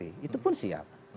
itu pun siap